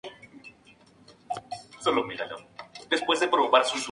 Hoy en día el apeadero se encuentra desaparecido.